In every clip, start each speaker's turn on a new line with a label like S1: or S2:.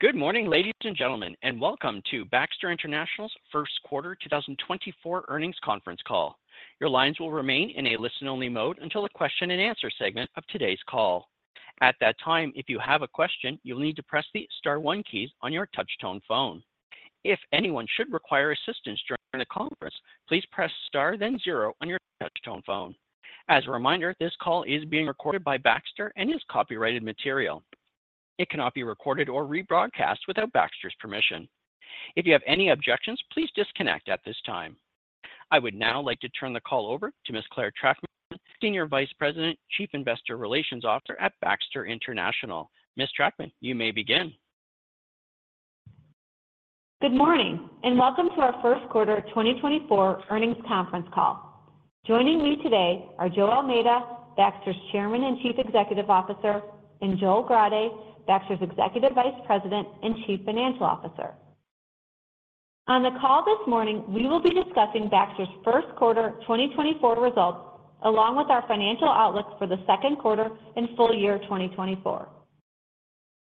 S1: Good morning, ladies and gentlemen, and welcome to Baxter International's First Quarter 2024 Earnings Conference Call. Your lines will remain in a listen-only mode until the question-and-answer segment of today's call. At that time, if you have a question, you'll need to press the star one key on your touch-tone phone. If anyone should require assistance during the conference, please press star, then zero on your touch-tone phone. As a reminder, this call is being recorded by Baxter and is copyrighted material. It cannot be recorded or rebroadcast without Baxter's permission. If you have any objections, please disconnect at this time. I would now like to turn the call over to Ms. Clare Trachtman, Senior Vice President, Chief Investor Relations Officer at Baxter International. Ms. Trachtman, you may begin.
S2: Good morning, and welcome to our First Quarter 2024 Earnings Conference Call. Joining me today are Joe Almeida, Baxter's Chairman and Chief Executive Officer, and Joel Grade, Baxter's Executive Vice President and Chief Financial Officer. On the call this morning, we will be discussing Baxter's first quarter 2024 results, along with our financial outlook for the second quarter and full year 2024.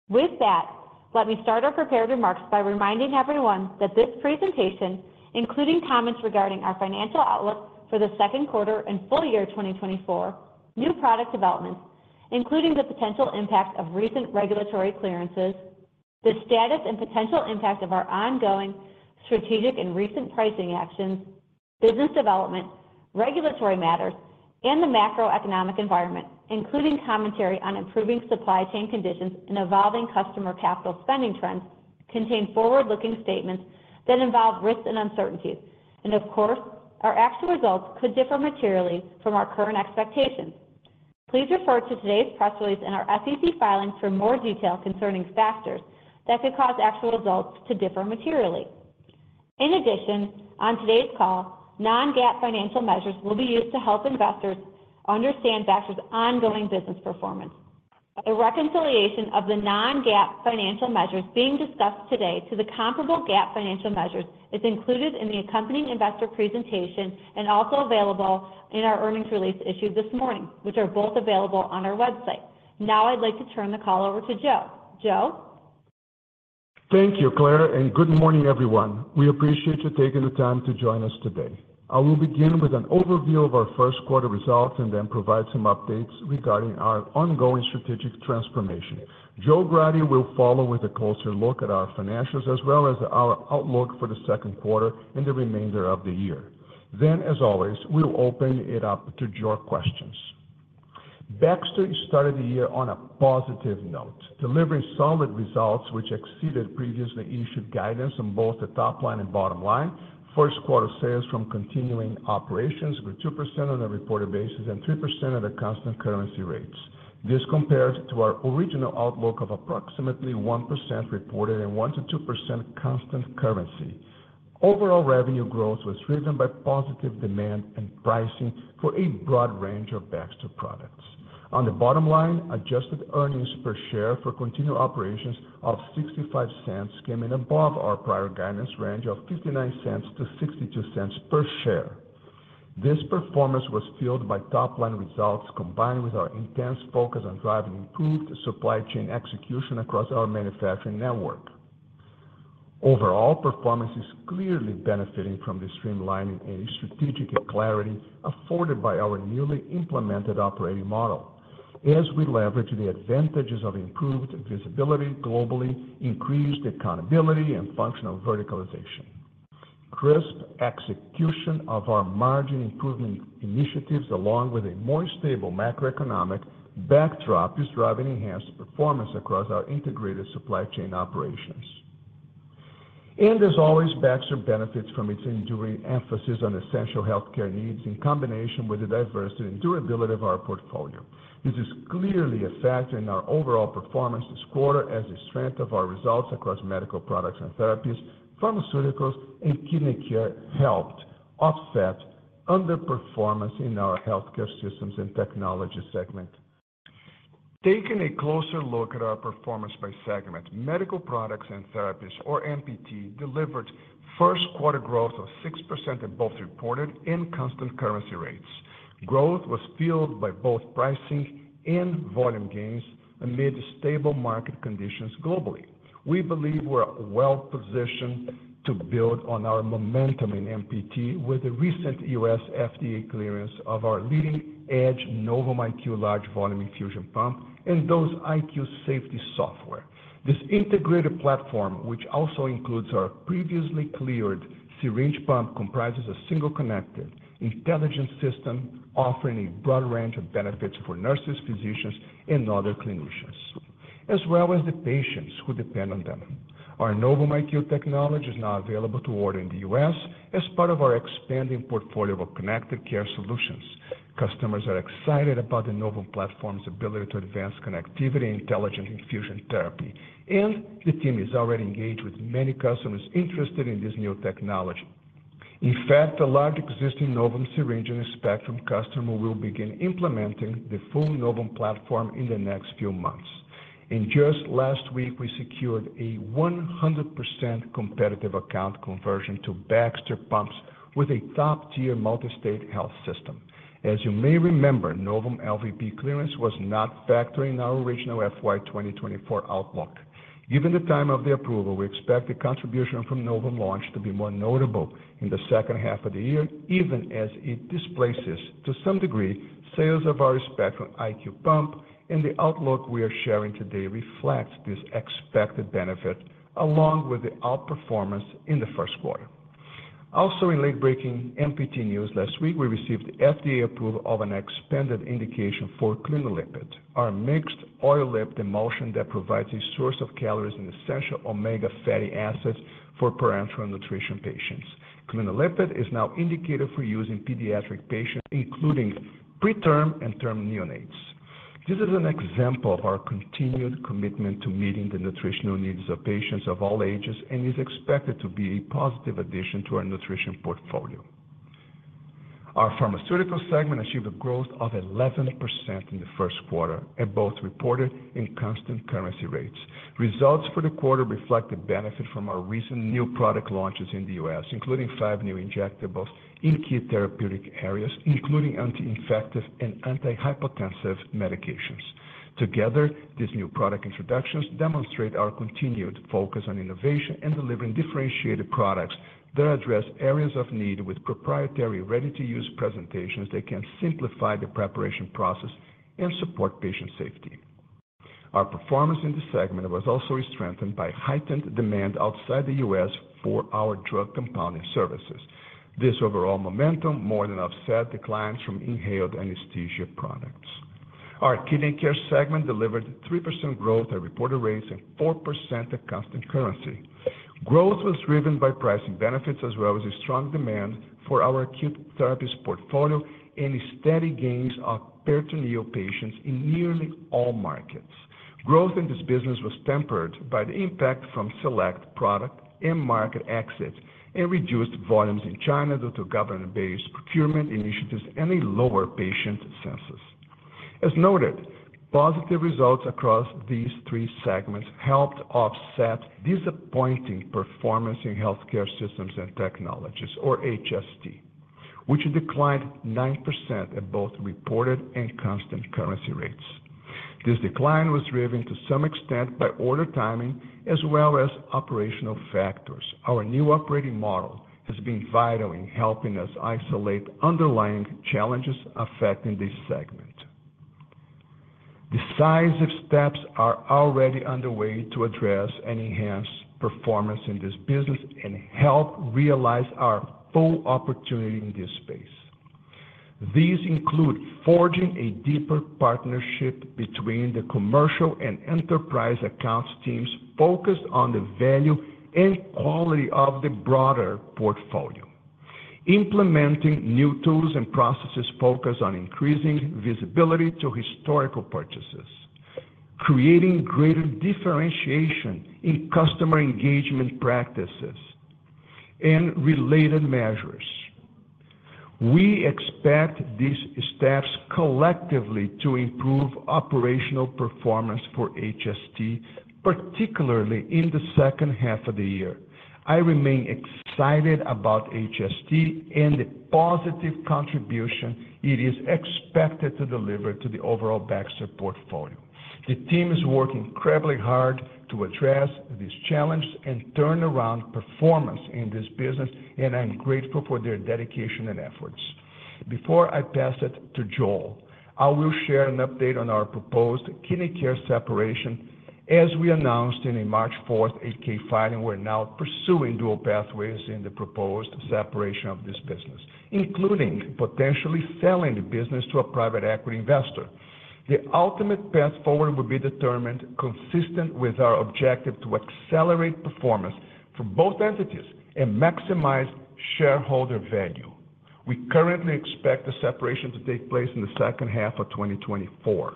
S2: With that, let me start our prepared remarks by reminding everyone that this presentation, including comments regarding our financial outlook for the second quarter and full year 2024, new product developments, including the potential impact of recent regulatory clearances, the status and potential impact of our ongoing strategic and recent pricing actions, business development, regulatory matters, and the macroeconomic environment, including commentary on improving supply chain conditions and evolving customer capital spending trends, contain forward-looking statements that involve risks and uncertainties. Of course, our actual results could differ materially from our current expectations. Please refer to today's press release and our SEC filings for more detail concerning factors that could cause actual results to differ materially. In addition, on today's call, non-GAAP financial measures will be used to help investors understand Baxter's ongoing business performance. A reconciliation of the non-GAAP financial measures being discussed today to the comparable GAAP financial measures is included in the accompanying investor presentation and also available in our earnings release issued this morning, which are both available on our website. Now I'd like to turn the call over to Joe. Joe?
S3: Thank you, Clare, and good morning, everyone. We appreciate you taking the time to join us today. I will begin with an overview of our first quarter results and then provide some updates regarding our ongoing strategic transformation. Joel Grade will follow with a closer look at our financials as well as our outlook for the second quarter and the remainder of the year. Then, as always, we'll open it up to your questions. Baxter started the year on a positive note, delivering solid results which exceeded previously issued guidance on both the top line and bottom line. First quarter sales from continuing operations were 2% on a reported basis and 3% at constant currency rates. This compares to our original outlook of approximately 1% reported and 1%-2% constant currency. Overall revenue growth was driven by positive demand and pricing for a broad range of Baxter products. On the bottom line, adjusted earnings per share for continued operations of $0.65 came in above our prior guidance range of $0.59-$0.62 per share. This performance was fueled by top-line results, combined with our intense focus on driving improved supply chain execution across our manufacturing network. Overall, performance is clearly benefiting from the streamlining and strategic clarity afforded by our newly implemented operating model as we leverage the advantages of improved visibility globally, increased accountability, and functional verticalization. Crisp execution of our margin improvement initiatives, along with a more stable macroeconomic backdrop, is driving enhanced performance across our Integrated Supply Chain operations. And as always, Baxter benefits from its enduring emphasis on essential healthcare needs in combination with the diversity and durability of our portfolio. This is clearly a factor in our overall performance this quarter as the strength of our results across Medical Products and Therapies, Pharmaceuticals, and Kidney Care helped offset underperformance in our Healthcare Systems and Technologies segment. Taking a closer look at our performance by segment, Medical Products and Therapies, or MPT, delivered first quarter growth of 6% in both reported and constant currency rates. Growth was fueled by both pricing and volume gains amid stable market conditions globally. We believe we're well-positioned to build on our momentum in MPT with the recent U.S. FDA clearance of our leading-edge Novum IQ large volume infusion pump and Dose IQ safety software. This integrated platform, which also includes our previously cleared syringe pump, comprises a single connected intelligent system offering a broad range of benefits for nurses, physicians, and other clinicians, as well as the patients who depend on them. Our Novum IQ technology is now available to order in the U.S. as part of our expanding portfolio of connected care solutions. Customers are excited about the Novum IQ platform's ability to advance connectivity and intelligent infusion therapy, and the team is already engaged with many customers interested in this new technology. In fact, a large existing Novum IQ syringe and a Spectrum customer will begin implementing the full Novum IQ platform in the next few months. Just last week, we secured a 100% competitive account conversion to Baxter pumps with a top-tier multi-state health system. As you may remember, Novum LVP clearance was not factored in our original FY 2024 outlook. Given the time of the approval, we expect the contribution from Novum launch to be more notable in the second half of the year, even as it displaces, to some degree, sales of our Spectrum IQ pump, and the outlook we are sharing today reflects this expected benefit, along with the outperformance in the first quarter. Also, in late-breaking MPT news last week, we received FDA approval of an expanded indication for Clinolipid, our mixed oil lipid emulsion that provides a source of calories and essential omega fatty acids for parenteral nutrition patients. Clinolipid is now indicated for use in pediatric patients, including preterm and term neonates. This is an example of our continued commitment to meeting the nutritional needs of patients of all ages and is expected to be a positive addition to our nutrition portfolio. Our Pharmaceuticals segment achieved a growth of 11% in the first quarter at both reported and constant currency rates. Results for the quarter reflect the benefit from our recent new product launches in the U.S., including 5 new injectables in key therapeutic areas, including anti-infective and antihypertensive medications. Together, these new product introductions demonstrate our continued focus on innovation and delivering differentiated products that address areas of need with proprietary, ready-to-use presentations that can simplify the preparation process and support patient safety. Our performance in this segment was also strengthened by heightened demand outside the U.S. for our drug compounding services. This overall momentum more than offset declines from inhaled anesthesia products. Our Kidney Care segment delivered 3% growth at reported rates and 4% at constant currency. Growth was driven by pricing benefits as well as a strong demand for our Acute Therapies portfolio and steady gains of peritoneal patients in nearly all markets. Growth in this business was tempered by the impact from select product and market exits and reduced volumes in China due to government-based procurement initiatives and a lower patient census. As noted, positive results across these three segments helped offset disappointing performance in Healthcare Systems and Technologies, or HST, which declined 9% at both reported and constant currency rates. This decline was driven to some extent by order timing as well as operational factors. Our new operating model has been vital in helping us isolate underlying challenges affecting this segment. Decisive steps are already underway to address and enhance performance in this business and help realize our full opportunity in this space. These include forging a deeper partnership between the commercial and enterprise accounts teams focused on the value and quality of the broader portfolio, implementing new tools and processes focused on increasing visibility to historical purchases, creating greater differentiation in customer engagement practices and related measures. We expect these steps collectively to improve operational performance for HST, particularly in the second half of the year. I remain excited about HST and the positive contribution it is expected to deliver to the overall Baxter portfolio. The team is working incredibly hard to address this challenge and turn around performance in this business, and I'm grateful for their dedication and efforts. Before I pass it to Joel, I will share an update on our proposed Kidney Care separation. As we announced in a March 4, 8-K filing, we're now pursuing dual pathways in the proposed separation of this business, including potentially selling the business to a private equity investor. The ultimate path forward will be determined consistent with our objective to accelerate performance for both entities and maximize shareholder value. We currently expect the separation to take place in the second half of 2024.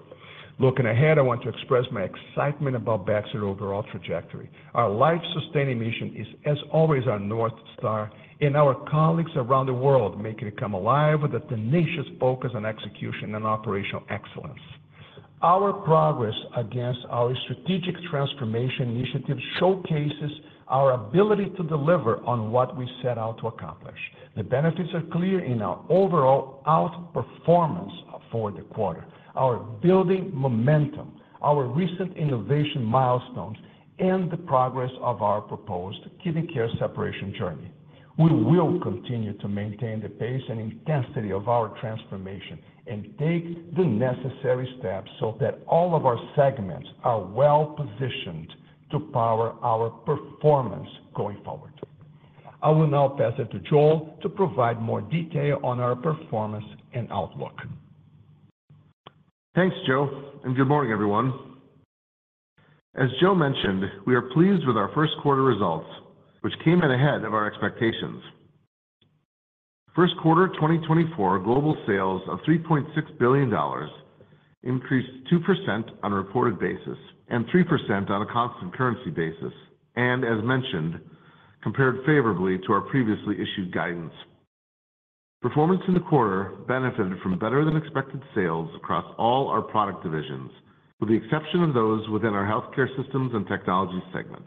S3: Looking ahead, I want to express my excitement about Baxter's overall trajectory. Our life-sustaining mission is, as always, our North Star, and our colleagues around the world make it come alive with a tenacious focus on execution and operational excellence. Our progress against our strategic transformation initiative showcases our ability to deliver on what we set out to accomplish. The benefits are clear in our overall outperformance for the quarter, our building momentum, our recent innovation milestones, and the progress of our proposed Kidney Care separation journey. We will continue to maintain the pace and intensity of our transformation and take the necessary steps so that all of our segments are well-positioned to power our performance going forward. I will now pass it to Joel to provide more detail on our performance and outlook.
S4: Thanks, Joe, and good morning, everyone. As Joe mentioned, we are pleased with our first quarter results, which came in ahead of our expectations. First quarter 2024 global sales of $3.6 billion increased 2% on a reported basis and 3% on a constant currency basis, and as mentioned, compared favorably to our previously issued guidance. Performance in the quarter benefited from better-than-expected sales across all our product divisions, with the exception of those within our Healthcare Systems and Technologies segment.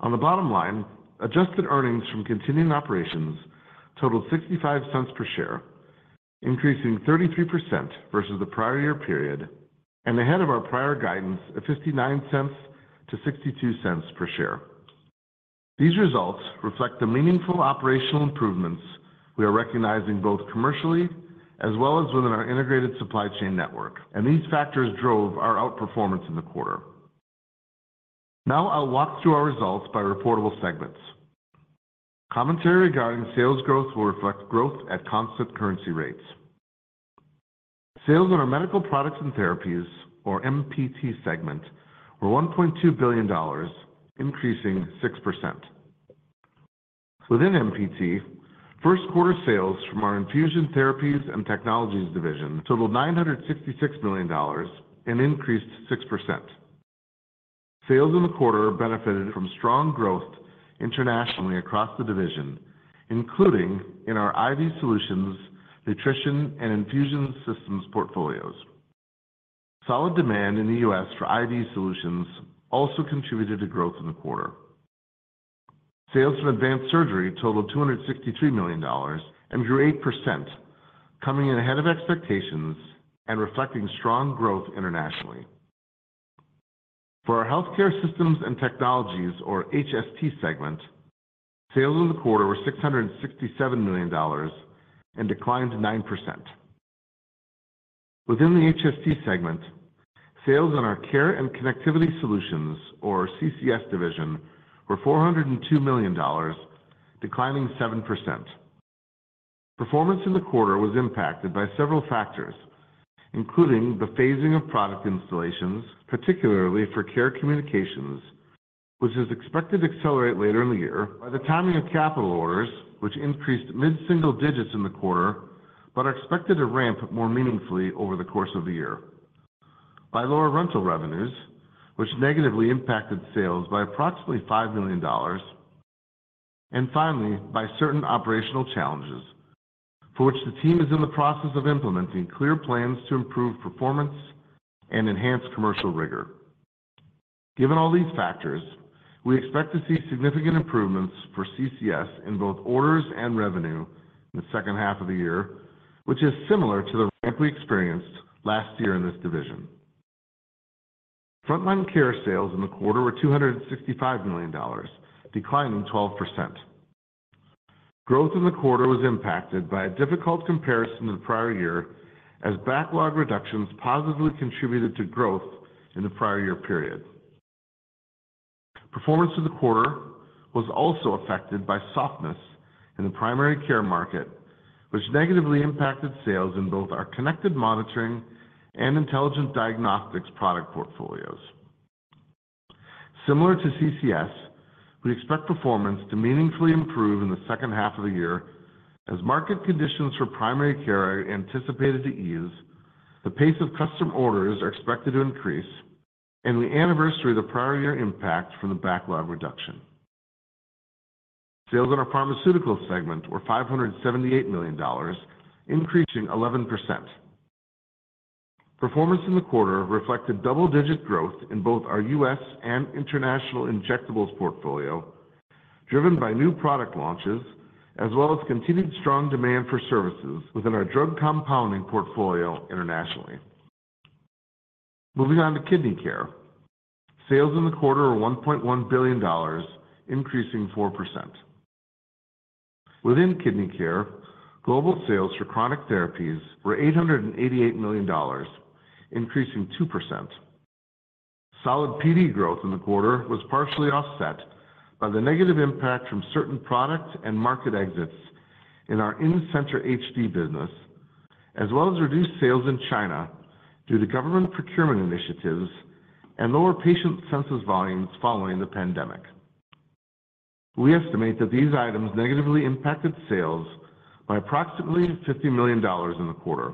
S4: On the bottom line, adjusted earnings from continuing operations totaled $0.65 per share, increasing 33% versus the prior year period, and ahead of our prior guidance of $0.59-$0.62 per share. These results reflect the meaningful operational improvements we are recognizing, both commercially as well as within our Integrated Supply Chain network, and these factors drove our outperformance in the quarter. Now I'll walk through our results by reportable segments. Commentary regarding sales growth will reflect growth at constant currency rates. Sales in our Medical Products and Therapies, or MPT segment, were $1.2 billion, increasing 6%. Within MPT, first quarter sales from our Infusion Therapies and Technologies division totaled $966 million and increased 6%. Sales in the quarter benefited from strong growth internationally across the division, including in our IV solutions, nutrition, and infusion systems portfolios. Solid demand in the U.S. for IV solutions also contributed to growth in the quarter. Sales from Advanced Surgery totaled $263 million and grew 8%, coming in ahead of expectations and reflecting strong growth internationally. For our Healthcare Systems and Technologies, or HST segment, sales in the quarter were $667 million and declined 9%. Within the HST segment, sales in our Care and Connectivity Solutions, or CCS division, were $402 million, declining 7%. Performance in the quarter was impacted by several factors, including the phasing of product installations, particularly for care communications, which is expected to accelerate later in the year by the timing of capital orders, which increased mid-single digits in the quarter, but are expected to ramp more meaningfully over the course of the year. By lower rental revenues, which negatively impacted sales by approximately $5 million, and finally, by certain operational challenges, for which the team is in the process of implementing clear plans to improve performance and enhance commercial rigor. Given all these factors, we expect to see significant improvements for CCS in both orders and revenue in the second half of the year, which is similar to the ramp we experienced last year in this division. Frontline Care sales in the quarter were $265 million, declining 12%. Growth in the quarter was impacted by a difficult comparison to the prior year, as backlog reductions positively contributed to growth in the prior year period. Performance in the quarter was also affected by softness in the primary care market, which negatively impacted sales in both our connected monitoring and intelligent diagnostics product portfolios. Similar to CCS, we expect performance to meaningfully improve in the second half of the year as market conditions for primary care are anticipated to ease, the pace of custom orders are expected to increase, and the anniversary of the prior year impact from the backlog reduction. Sales in our Pharmaceutical segment were $578 million, increasing 11%. Performance in the quarter reflected double-digit growth in both our U.S. and international injectables portfolio, driven by new product launches, as well as continued strong demand for services within our drug compounding portfolio internationally. Moving on to Kidney Care. Sales in the quarter are $1.1 billion, increasing 4%. Within Kidney Care, global sales for Chronic Therapies were $888 million, increasing 2%. Solid PD growth in the quarter was partially offset by the negative impact from certain product and market exits in our In-Center HD business, as well as reduced sales in China due to government procurement initiatives and lower patient census volumes following the pandemic. We estimate that these items negatively impacted sales by approximately $50 million in the quarter.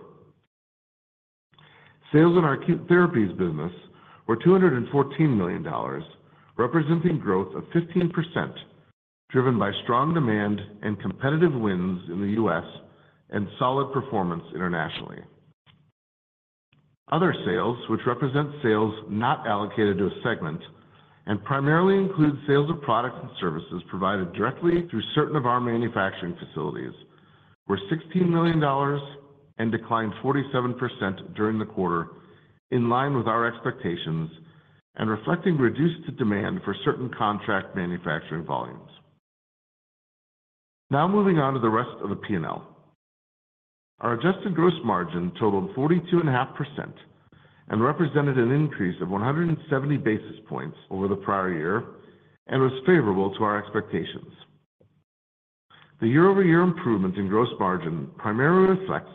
S4: Sales in our Acute Therapies business were $214 million, representing growth of 15%, driven by strong demand and competitive wins in the U.S. and solid performance internationally. Other sales, which represent sales not allocated to a segment and primarily include sales of products and services provided directly through certain of our manufacturing facilities, were $16 million and declined 47% during the quarter, in line with our expectations and reflecting reduced demand for certain contract manufacturing volumes. Now moving on to the rest of the P&L. Our adjusted gross margin totaled 42.5% and represented an increase of 170 basis points over the prior year and was favorable to our expectations. The year-over-year improvement in gross margin primarily reflects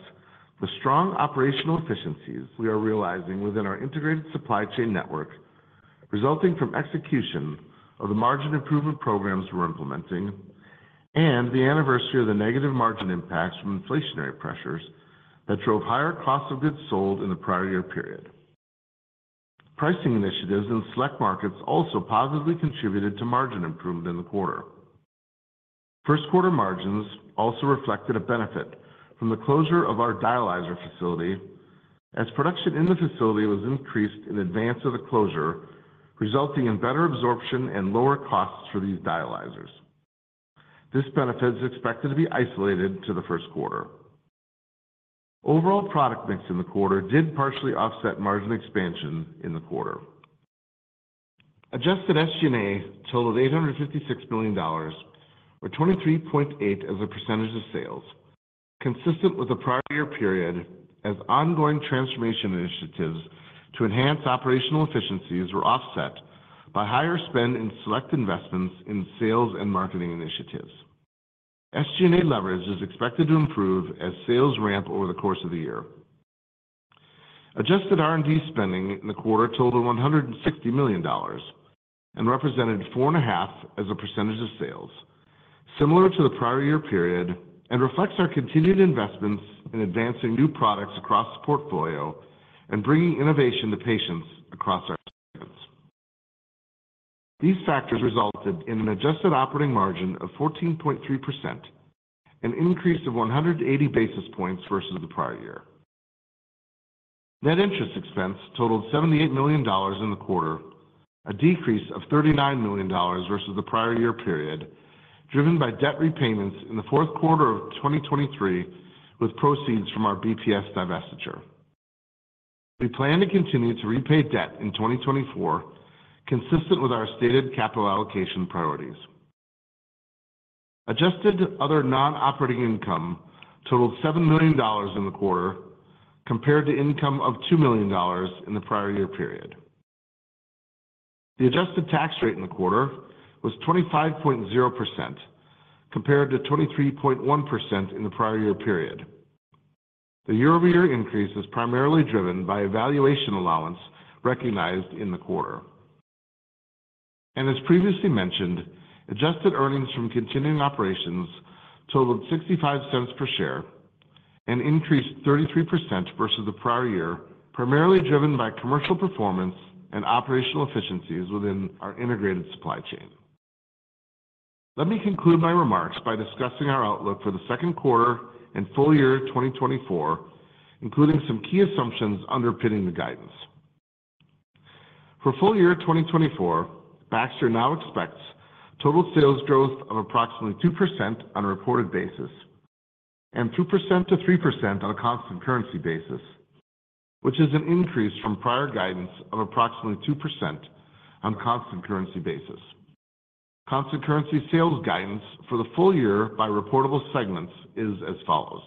S4: the strong operational efficiencies we are realizing within our Integrated Supply Chain network, resulting from execution of the margin improvement programs we're implementing and the anniversary of the negative margin impacts from inflationary pressures that drove higher costs of goods sold in the prior year period... Pricing initiatives in select markets also positively contributed to margin improvement in the quarter. First quarter margins also reflected a benefit from the closure of our dialyzer facility, as production in the facility was increased in advance of the closure, resulting in better absorption and lower costs for these dialyzers. This benefit is expected to be isolated to the first quarter. Overall product mix in the quarter did partially offset margin expansion in the quarter. Adjusted SG&A totaled $856 million, or 23.8% of sales, consistent with the prior year period, as ongoing transformation initiatives to enhance operational efficiencies were offset by higher spend in select investments in sales and marketing initiatives. SG&A leverage is expected to improve as sales ramp over the course of the year. Adjusted R&D spending in the quarter totaled $160 million and represented 4.5% of sales, similar to the prior year period, and reflects our continued investments in advancing new products across the portfolio and bringing innovation to patients across our segments. These factors resulted in an adjusted operating margin of 14.3%, an increase of 180 basis points versus the prior year. Net interest expense totaled $78 million in the quarter, a decrease of $39 million versus the prior year period, driven by debt repayments in the fourth quarter of 2023, with proceeds from our BPS divestiture. We plan to continue to repay debt in 2024, consistent with our stated capital allocation priorities. Adjusted other non-operating income totaled $7 million in the quarter, compared to income of $2 million in the prior year period. The adjusted tax rate in the quarter was 25.0%, compared to 23.1% in the prior year period. The year-over-year increase was primarily driven by a valuation allowance recognized in the quarter. As previously mentioned, adjusted earnings from continuing operations totaled $0.65 per share, an increase 33% versus the prior year, primarily driven by commercial performance and operational efficiencies within our Integrated Supply Chain. Let me conclude my remarks by discussing our outlook for the second quarter and full year 2024, including some key assumptions underpinning the guidance. For full year 2024, Baxter now expects total sales growth of approximately 2% on a reported basis and 2%-3% on a constant currency basis, which is an increase from prior guidance of approximately 2% on a constant currency basis. Constant currency sales guidance for the full year by reportable segments is as follows: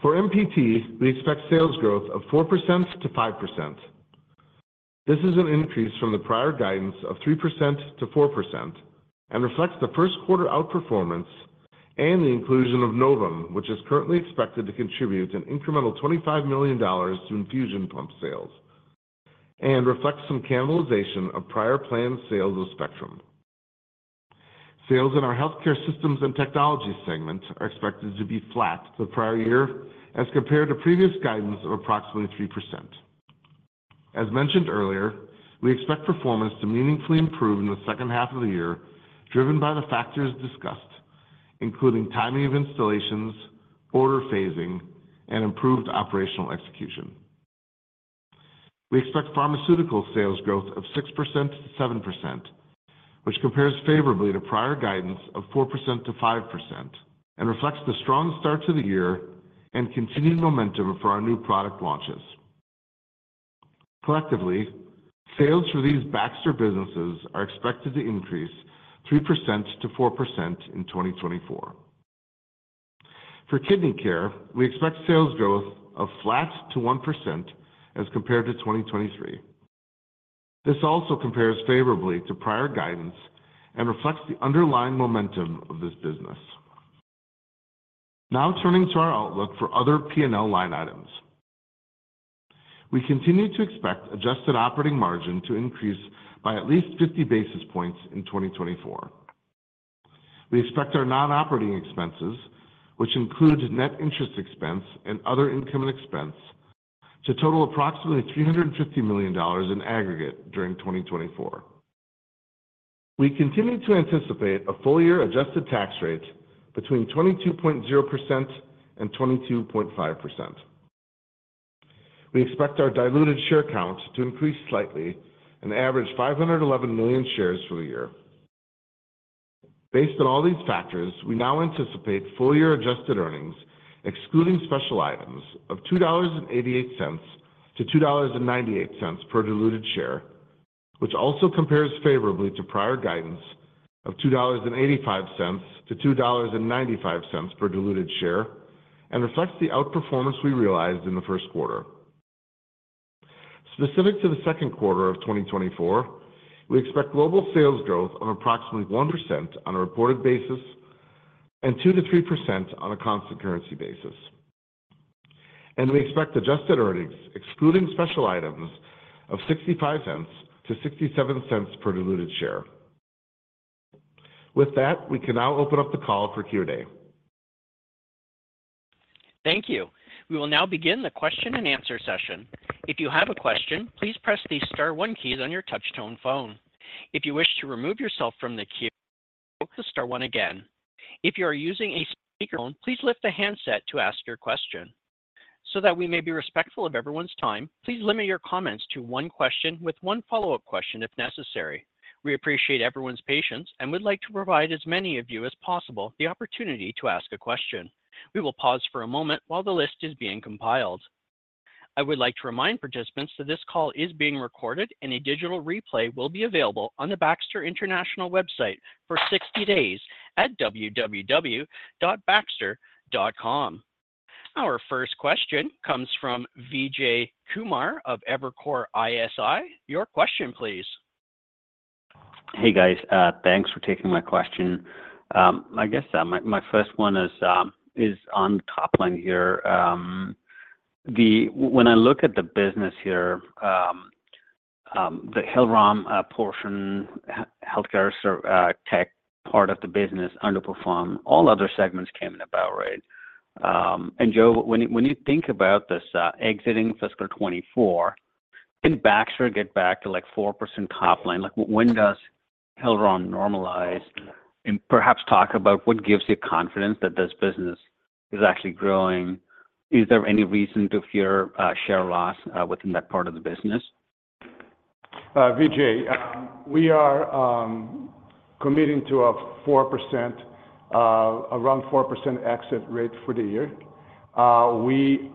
S4: For MPT, we expect sales growth of 4%-5%. This is an increase from the prior guidance of 3%-4% and reflects the first quarter outperformance and the inclusion of Novum, which is currently expected to contribute an incremental $25 million to infusion pump sales and reflects some cannibalization of prior planned sales of Spectrum. Sales in our Healthcare Systems and Technologies segment are expected to be flat to the prior year as compared to previous guidance of approximately 3%. As mentioned earlier, we expect performance to meaningfully improve in the second half of the year, driven by the factors discussed, including timing of installations, order phasing, and improved operational execution. We expect pharmaceutical sales growth of 6%-7%, which compares favorably to prior guidance of 4%-5% and reflects the strong start to the year and continued momentum for our new product launches. Collectively, sales for these Baxter businesses are expected to increase 3%-4% in 2024. For Kidney Care, we expect sales growth of flat to 1% as compared to 2023. This also compares favorably to prior guidance and reflects the underlying momentum of this business. Now, turning to our outlook for other P&L line items. We continue to expect adjusted operating margin to increase by at least 50 basis points in 2024. We expect our non-operating expenses, which includes net interest expense and other income and expense, to total approximately $350 million in aggregate during 2024. We continue to anticipate a full-year adjusted tax rate between 22.0% and 22.5%. We expect our diluted share count to increase slightly and average 511 million shares for the year. Based on all these factors, we now anticipate full-year adjusted earnings, excluding special items, of $2.88-$2.98 per diluted share, which also compares favorably to prior guidance of $2.85-$2.95 per diluted share and reflects the outperformance we realized in the first quarter. Specific to the second quarter of 2024, we expect global sales growth of approximately 1% on a reported basis and 2%-3% on a constant currency basis. We expect adjusted earnings, excluding special items, of $0.65-$0.67 per diluted share. With that, we can now open up the call for Q&A.
S1: Thank you. We will now begin the question-and-answer session. If you have a question, please press the star one key on your touchtone phone. If you wish to remove yourself from the queue, press star one again. If you are using a speakerphone, please lift the handset to ask your question. So that we may be respectful of everyone's time, please limit your comments to one question with one follow-up question if necessary. We appreciate everyone's patience, and we'd like to provide as many of you as possible the opportunity to ask a question. We will pause for a moment while the list is being compiled. I would like to remind participants that this call is being recorded, and a digital replay will be available on the Baxter International website for 60 days at www.baxter.com. Our first question comes from Vijay Kumar of Evercore ISI. Your question, please.
S5: Hey, guys. Thanks for taking my question. I guess my first one is on the top line here. When I look at the business here, the Hillrom portion, Healthcare Systems and Technologies part of the business underperform, all other segments came in about right. And Joe, when you think about this, exiting fiscal 2024, can Baxter get back to, like, 4% top line? Like, when does Hillrom normalize? And perhaps talk about what gives you confidence that this business is actually growing. Is there any reason to fear share loss within that part of the business?
S3: Vijay, we are committing to a 4%, around 4% exit rate for the year. We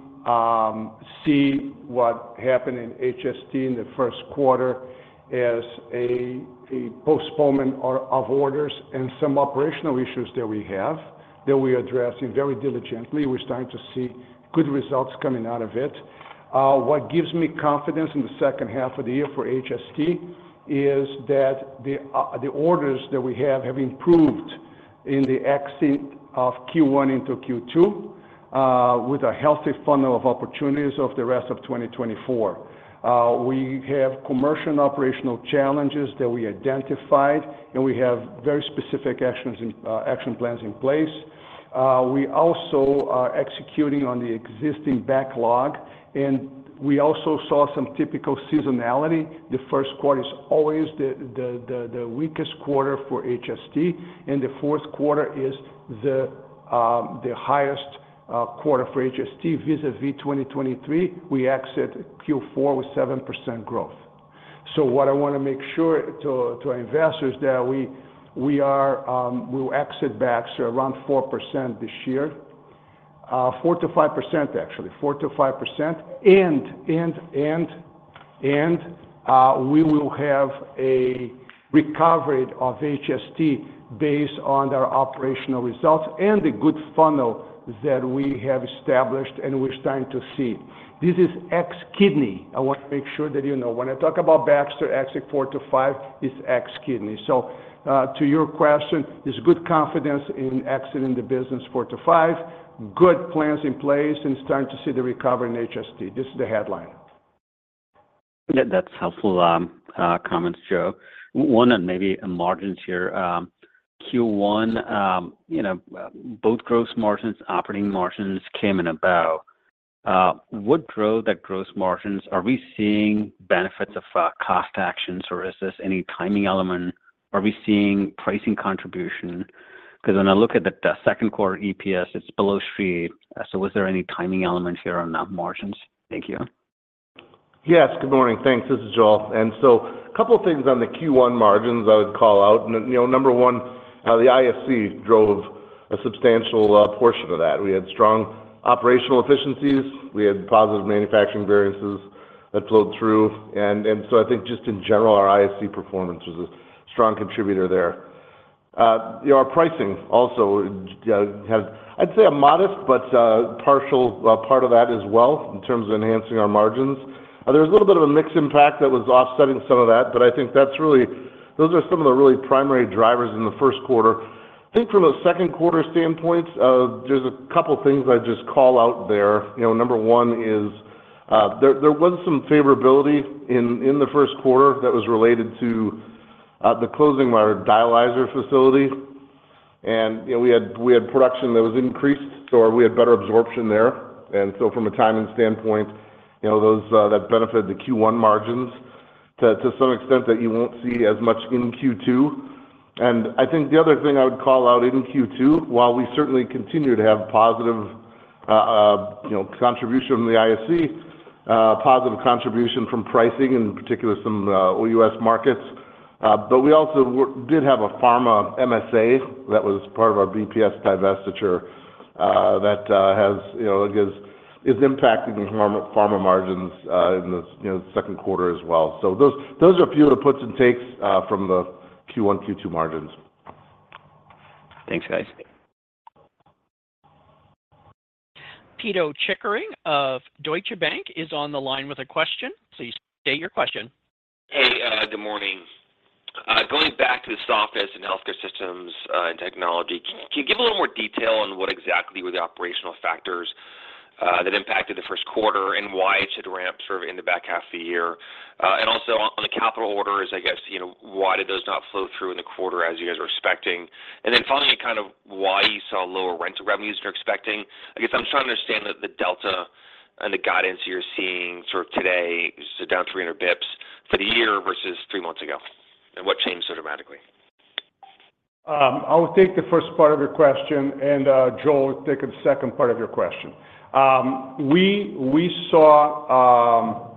S3: see what happened in HST in the first quarter as a postponement of orders and some operational issues that we have, that we're addressing very diligently. We're starting to see good results coming out of it. What gives me confidence in the second half of the year for HST is that the orders that we have have improved in the exit of Q1 into Q2, with a healthy funnel of opportunities of the rest of 2024. We have commercial and operational challenges that we identified, and we have very specific actions in action plans in place. We also are executing on the existing backlog, and we also saw some typical seasonality. The first quarter is always the weakest quarter for HST, and the fourth quarter is the highest quarter for HST. Vis-à-vis 2023, we exit Q4 with 7% growth. So what I want to make sure to our investors that we are, we'll exit Baxter around 4% this year, 4%-5%, actually. 4%-5%, and we will have a recovery of HST based on their operational results and the good funnel that we have established and we're starting to see. This is ex kidney. I want to make sure that you know. When I talk about Baxter exit 4%-5%, it's ex kidney. To your question, there's good confidence in exiting the business 4-5, good plans in place, and starting to see the recovery in HST. This is the headline.
S5: That's helpful, comments, Joe. One on maybe on margins here. Q1, you know, both gross margins, operating margins came in about. What drove the gross margins? Are we seeing benefits of, cost actions, or is this any timing element? Are we seeing pricing contribution? Because when I look at the second quarter EPS, it's below $3. So was there any timing element here on the margins? Thank you.
S4: Yes, good morning. Thanks. This is Joel. So a couple of things on the Q1 margins I would call out. You know, number one, the ISC drove a substantial portion of that. We had strong operational efficiencies, we had positive manufacturing variances that flowed through, and so I think just in general, our ISC performance was a strong contributor there. You know, our pricing also has, I'd say, a modest but partial part of that as well, in terms of enhancing our margins. There's a little bit of a mix impact that was offsetting some of that, but I think that's really. Those are some of the really primary drivers in the first quarter. I think from a second-quarter standpoint, there's a couple things I'd just call out there. You know, number one is, there was some favorability in the first quarter that was related to the closing of our dialyzer facility. And, you know, we had production that was increased, so we had better absorption there. And so from a timing standpoint, you know, those that benefited the Q1 margins, to some extent that you won't see as much in Q2. And I think the other thing I would call out in Q2, while we certainly continue to have positive, you know, contribution from the ISC, positive contribution from pricing, in particular some OUS markets, but we also did have a pharma MSA that was part of our BPS divestiture, that has, you know, is impacting pharma margins, in the second quarter as well. Those are a few of the puts and takes from the Q1, Q2 margins.
S5: Thanks, guys.
S1: Pito Chickering of Deutsche Bank is on the line with a question. Please state your question.
S6: Hey, good morning. Going back to the softness in Healthcare Systems and Technologies, can you give a little more detail on what exactly were the operational factors that impacted the first quarter, and why it should ramp sort of in the back half of the year? And also on the capital orders, I guess, you know, why did those not flow through in the quarter as you guys were expecting? And then finally, kind of why you saw lower rental revenues than you're expecting. I guess I'm trying to understand the delta and the guidance you're seeing sort of today, so down 300 basis points for the year versus three months ago, and what changed so dramatically?
S3: I will take the first part of your question, and Joel will take the second part of your question. We saw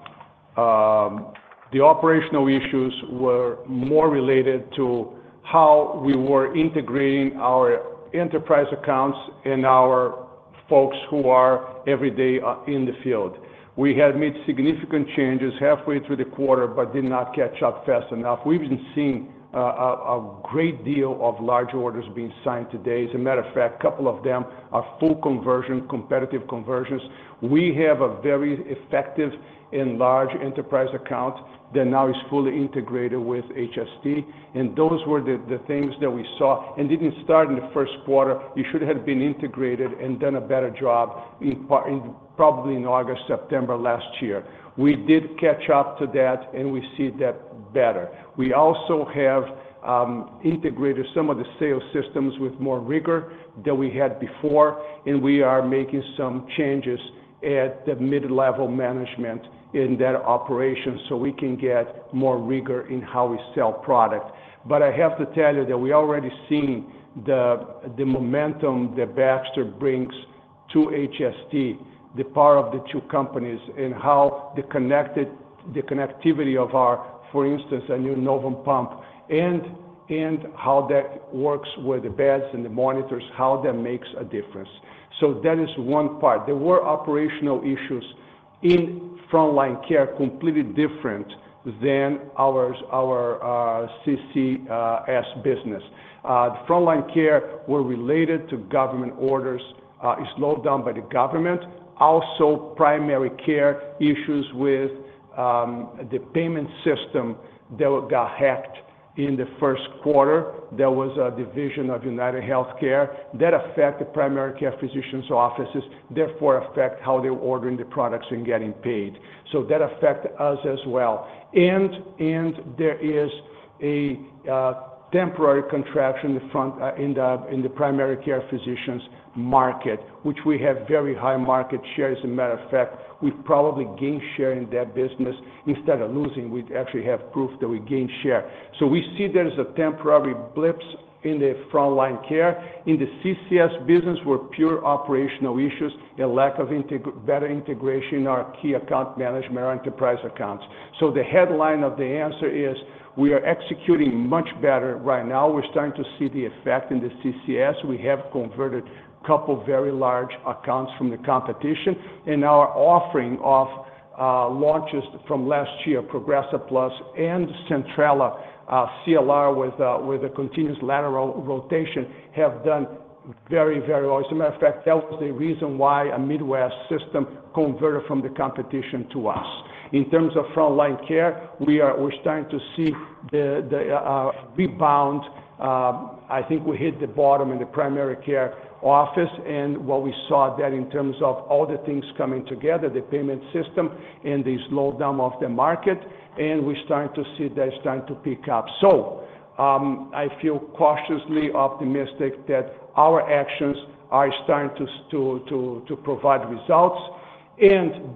S3: the operational issues were more related to how we were integrating our enterprise accounts and our folks who are every day in the field. We had made significant changes halfway through the quarter, but did not catch up fast enough. We've been seeing a great deal of large orders being signed today. As a matter of fact, a couple of them are full conversion, competitive conversions. We have a very effective and large enterprise account that now is fully integrated with HST, and those were the things that we saw. And didn't start in the first quarter. You should have been integrated and done a better job in probably in August, September last year. We did catch up to that, and we see that better. We also have integrated some of the sales systems with more rigor than we had before, and we are making some changes at the mid-level management in that operation, so we can get more rigor in how we sell product. But I have to tell you that we already seen the, the momentum that Baxter brings to HST, the power of the two companies, and how the connectivity of our, for instance, a new Novum pump, and, and how that works with the beds and the monitors, how that makes a difference. So that is one part. There were operational issues in Frontline Care, completely different than ours, our CCS business. The Frontline Care were related to government orders, is slowed down by the government. Also, primary care issues with the payment system that got hacked in the first quarter. There was a division of UnitedHealthcare that affect the primary care physicians' offices, therefore, affect how they're ordering the products and getting paid. So that affect us as well. And there is a temporary contraction in the front, in the primary care physicians market, which we have very high market share. As a matter of fact, we've probably gained share in that business. Instead of losing, we'd actually have proof that we gained share. So we see there is a temporary blips in the Frontline Care. In the CCS business, we're pure operational issues and lack of better integration in our key account management, enterprise accounts. So the headline of the answer is, we are executing much better right now. We're starting to see the effect in the CCS. We have converted a couple of very large accounts from the competition, and our offering of launches from last year, Progressa Plus and Centrella, CLR, with a continuous lateral rotation, have done very, very well. As a matter of fact, that was the reason why a Midwest system converted from the competition to us. In terms of Frontline Care, we're starting to see the rebound. I think we hit the bottom in the primary care office, and what we saw there in terms of all the things coming together, the payment system and the slowdown of the market, and we're starting to see that it's starting to pick up. So, I feel cautiously optimistic that our actions are starting to provide results.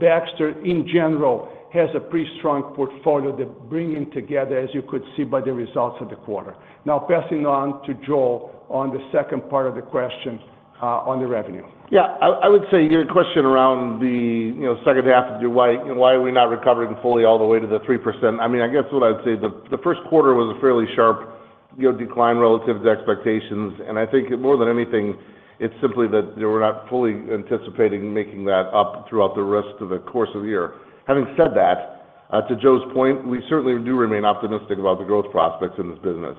S3: Baxter, in general, has a pretty strong portfolio that bringing together, as you could see by the results of the quarter. Now, passing on to Joel on the second part of the question, on the revenue.
S4: Yeah, I would say your question around the, you know, second half of the why, and why are we not recovering fully all the way to the 3%. I mean, I guess what I'd say the first quarter was a fairly sharp, you know, decline relative to expectations, and I think more than anything, it's simply that we're not fully anticipating making that up throughout the rest of the course of the year. Having said that, to Joe's point, we certainly do remain optimistic about the growth prospects in this business.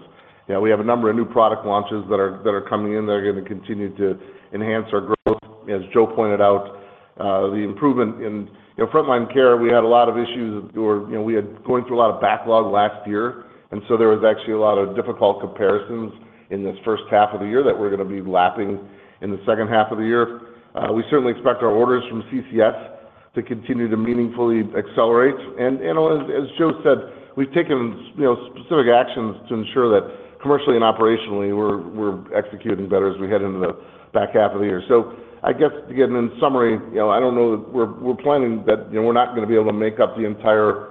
S4: Yeah, we have a number of new product launches that are coming in, they're gonna continue to enhance our growth. As Joe pointed out, the improvement in, you know, Frontline Care, we had a lot of issues, or, you know, we had going through a lot of backlog last year, and so there was actually a lot of difficult comparisons in this first half of the year that we're gonna be lapping in the second half of the year. We certainly expect our orders from CCS to continue to meaningfully accelerate. And as Joe said, we've taken, you know, specific actions to ensure that commercially and operationally, we're executing better as we head into the back half of the year. So I guess, again, in summary, you know, I don't know that we're planning that, you know, we're not gonna be able to make up the entire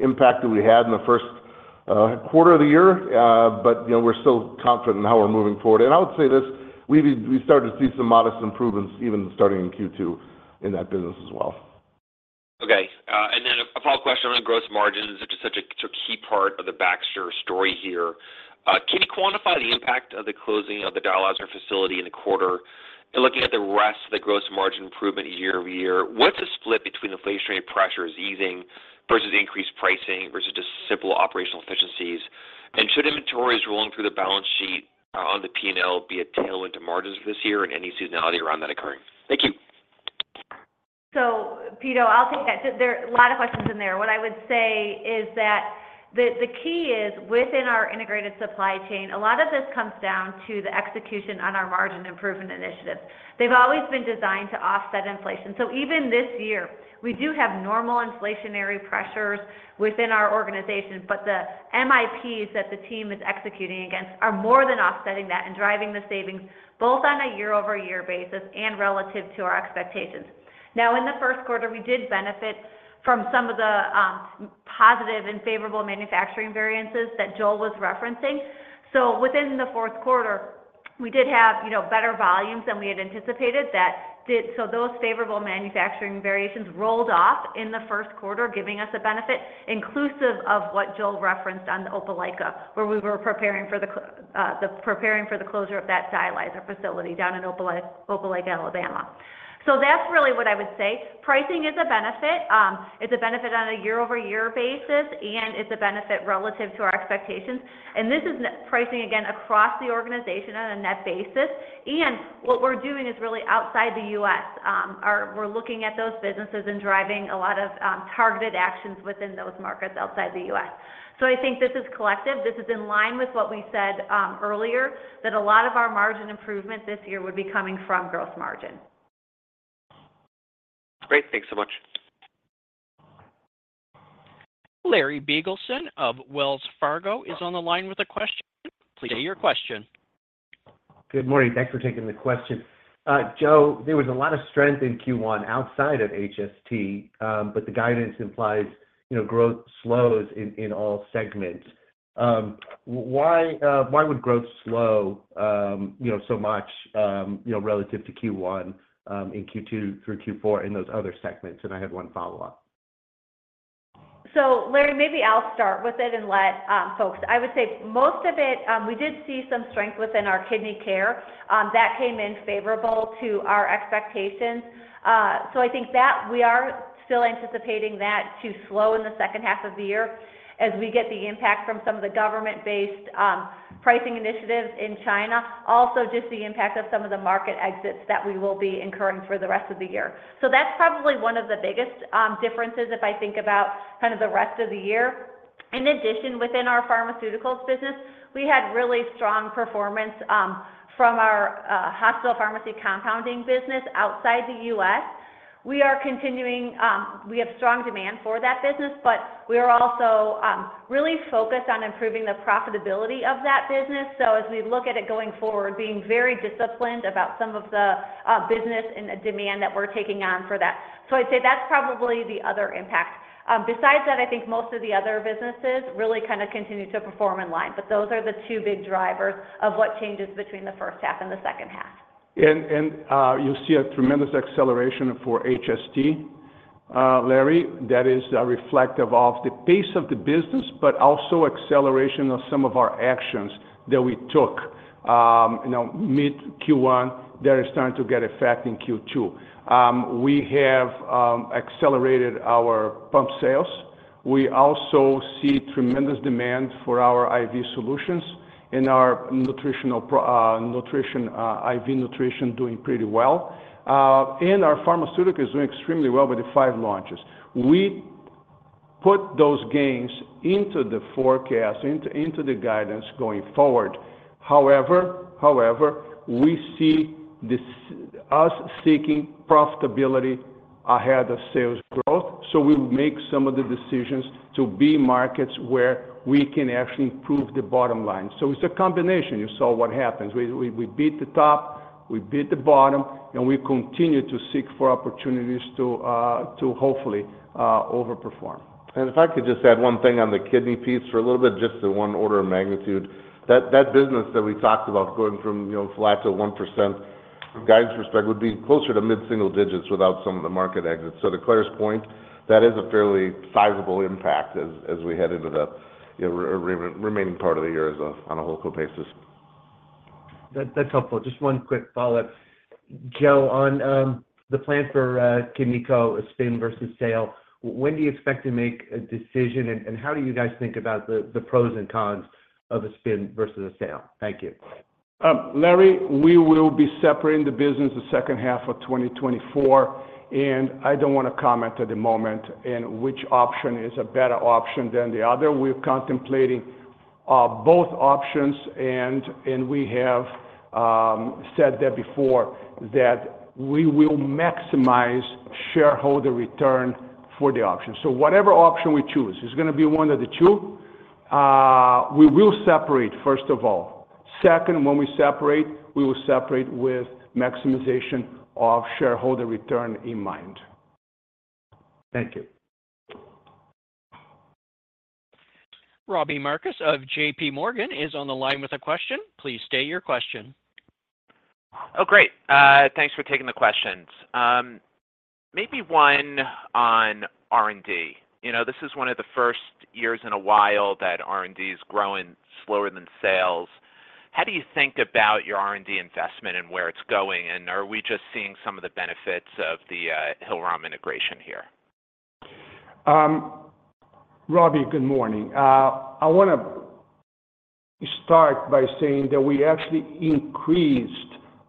S4: impact that we had in the first quarter of the year. But, you know, we're still confident in how we're moving forward. And I would say this, we've started to see some modest improvements, even starting in Q2 in that business as well.
S6: Okay, and then a follow-up question on the growth margins, which is such a, sort of key part of the Baxter story here. Can you quantify the impact of the closing of the dialyzer facility in the quarter? And looking at the rest of the gross margin improvement year-over-year, what's the split between inflationary pressures easing versus increased pricing, versus just simple operational efficiencies? And should inventories rolling through the balance sheet, on the P&L, be a tailwind to margins this year, and any seasonality around that occurring? Thank you.
S2: So, Peter, I'll take that. So there are a lot of questions in there. What I would say is that the key is, within our Integrated Supply Chain, a lot of this comes down to the execution on our margin improvement initiatives. They've always been designed to offset inflation. So even this year, we do have normal inflationary pressures within our organization, but the MIPs that the team is executing against are more than offsetting that and driving the savings, both on a year-over-year basis and relative to our expectations. Now, in the first quarter, we did benefit from some of the positive and favorable manufacturing variances that Joel was referencing. So within the fourth quarter, we did have, you know, better volumes than we had anticipated. So those favorable manufacturing variations rolled off in the first quarter, giving us a benefit, inclusive of what Joel referenced on the Opelika, where we were preparing for the closure of that dialyzer facility down in Opelika, Alabama. So that's really what I would say. Pricing is a benefit. It's a benefit on a year-over-year basis, and it's a benefit relative to our expectations. This is pricing, again, across the organization on a net basis. What we're doing is really outside the U.S., we're looking at those businesses and driving a lot of targeted actions within those markets outside the U.S. So I think this is collective. This is in line with what we said earlier, that a lot of our margin improvement this year would be coming from growth margin.
S6: Great. Thanks so much.
S1: Larry Biegelsen of Wells Fargo is on the line with a question. Please state your question.
S7: Good morning. Thanks for taking the question. Joel, there was a lot of strength in Q1 outside of HST, but the guidance implies, you know, growth slows in all segments. Why would growth slow, you know, so much, you know, relative to Q1, in Q2 through Q4 in those other segments? And I have one follow-up.
S2: So, Larry, maybe I'll start with it and let folks. I would say most of it, we did see some strength within our Kidney Care, that came in favorable to our expectations. So I think that we are still anticipating that to slow in the second half of the year as we get the impact from some of the government-based pricing initiatives in China. Also, just the impact of some of the market exits that we will be incurring for the rest of the year. So that's probably one of the biggest differences if I think about kind of the rest of the year. In addition, within our Pharmaceuticals business, we had really strong performance from our hospital pharmacy compounding business outside the U.S. We are continuing, we have strong demand for that business, but we are also really focused on improving the profitability of that business. So as we look at it going forward, being very disciplined about some of the business and the demand that we're taking on for that. So I'd say that's probably the other impact. Besides that, I think most of the other businesses really kind of continue to perform in line, but those are the two big drivers of what changes between the first half and the second half.
S3: You see a tremendous acceleration for HST, Larry, that is reflective of the pace of the business, but also acceleration of some of our actions that we took, you know, mid Q1 that is starting to get effect in Q2. We have accelerated our pump sales. We also see tremendous demand for our IV solutions and our nutritional pro nutrition IV nutrition doing pretty well. And our pharmaceutical is doing extremely well with the 5 launches. We put those gains into the forecast, into the guidance going forward. However, we see this as us seeking profitability ahead of sales growth, so we make some of the decisions to exit markets where we can actually improve the bottom line. So it's a combination. You saw what happens. We beat the top, we beat the bottom, and we continue to seek for opportunities to hopefully overperform.
S4: And if I could just add one thing on the kidney piece for a little bit, just the one order of magnitude. That, that business that we talked about going from, you know, flat to 1% guidance, respectively, would be closer to mid-single digits without some of the market exits. So to Clare's point, that is a fairly sizable impact as, as we head into the, the remaining part of the year as a, on a wholeCo basis.
S7: That, that's helpful. Just one quick follow-up. Joel, on the plan for KidneyCo, a spin versus sale, when do you expect to make a decision, and, and how do you guys think about the, the pros and cons of a spin versus a sale? Thank you.
S3: Larry, we will be separating the business the second half of 2024, and I don't want to comment at the moment in which option is a better option than the other. We're contemplating both options, and we have said that before, that we will maximize shareholder return for the option. So whatever option we choose, it's gonna be one of the two, we will separate, first of all. Second, when we separate, we will separate with maximization of shareholder return in mind.
S7: Thank you.
S1: Robbie Marcus of J.P. Morgan is on the line with a question. Please state your question.
S8: Oh, great. Thanks for taking the questions. Maybe one on R&D. You know, this is one of the first years in a while that R&D is growing slower than sales. How do you think about your R&D investment and where it's going? And are we just seeing some of the benefits of the, Hillrom integration here?
S3: Robbie, good morning. I want to start by saying that we actually increased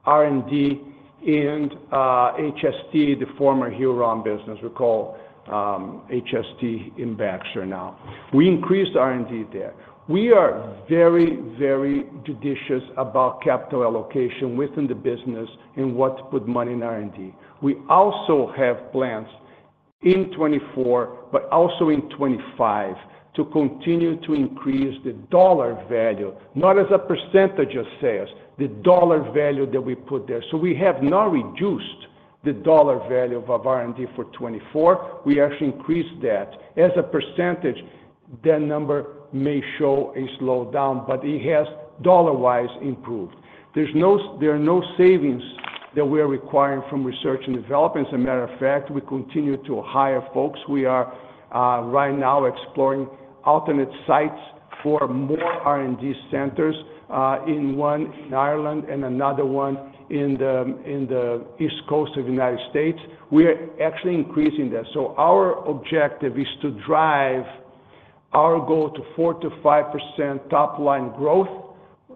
S3: R&D in HST, the former Hillrom business. We call HST in Baxter now. We increased R&D there. We are very, very judicious about capital allocation within the business and what to put money in R&D. We also have plans in 2024, but also in 2025, to continue to increase the dollar value, not as a percentage of sales, the dollar value that we put there. So we have not reduced the dollar value of our R&D for 2024, we actually increased that. As a percentage, that number may show a slowdown, but it has, dollar-wise, improved. There are no savings that we are requiring from research and development. As a matter of fact, we continue to hire folks. We are right now exploring alternate sites for more R&D centers, in one in Ireland and another one in the East Coast of the United States. We are actually increasing that. So our objective is to drive our goal to 4%-5% top line growth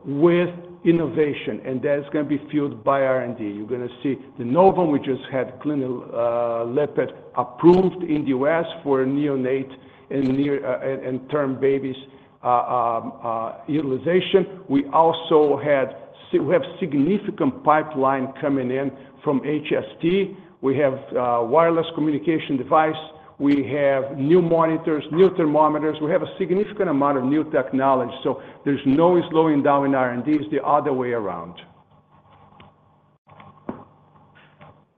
S3: with innovation, and that's going to be fueled by R&D. You're going to see the Novum. We just had Clinolipid approved in the U.S. for neonate and near- and term babies utilization. We also have significant pipeline coming in from HST. We have wireless communication device, we have new monitors, new thermometers. We have a significant amount of new technology, so there's no slowing down in R&D. It's the other way around.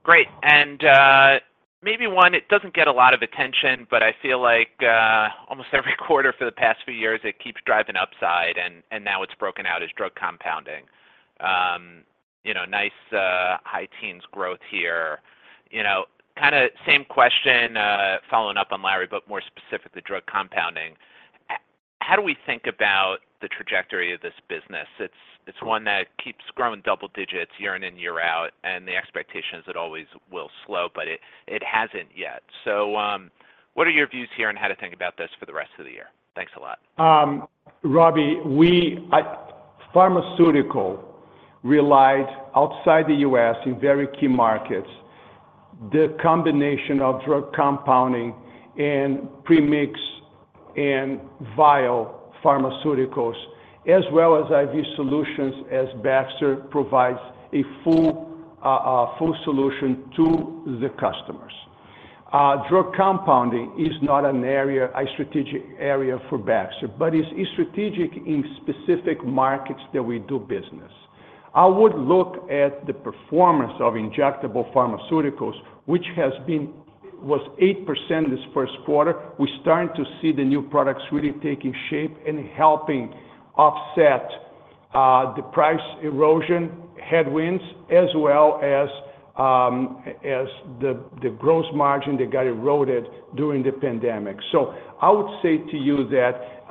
S8: Great. And maybe one, it doesn't get a lot of attention, but I feel like almost every quarter for the past few years, it keeps driving upside, and now it's broken out as drug compounding. You know, nice high teens growth here. You know, kind of same question following up on Larry, but more specific to drug compounding. How do we think about the trajectory of this business? It's one that keeps growing double digits year in and year out, and the expectation is it always will slow, but it hasn't yet. So, what are your views here on how to think about this for the rest of the year? Thanks a lot.
S3: Robbie, we rely on pharmaceuticals outside the U.S. in very key markets. The combination of drug compounding and premix and vial pharmaceuticals, as well as IV solutions, as Baxter provides a full solution to the customers. Drug compounding is not an area, a strategic area for Baxter, but it's strategic in specific markets that we do business. I would look at the performance of injectable pharmaceuticals, which was 8% this first quarter. We're starting to see the new products really taking shape and helping offset the price erosion headwinds, as well as the gross margin that got eroded during the pandemic. So I would say to you that